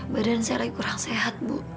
badan saya lagi kurang sehat bu